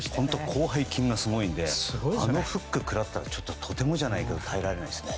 広背筋がすごいのであのフックを食らったらとてもじゃないけど耐えられないですね。